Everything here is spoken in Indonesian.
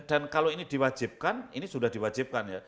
dan kalau ini diwajibkan ini sudah diwajibkan ya